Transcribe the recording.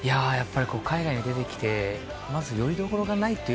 海外に出てきてまずよりどころがないという。